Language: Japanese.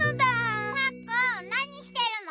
パックンなにしてるの？